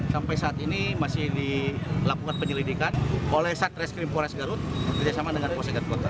sampai saat ini masih dilakukan penyelidikan oleh satreskrim pores garut kerjasama dengan posegat kota